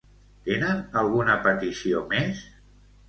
Tenen alguna petició més?